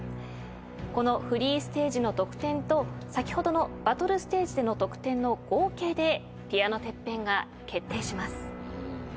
このフリーステージの得点と先ほどのバトルステージでの得点の合計でピアノＴＥＰＰＥＮが決定します。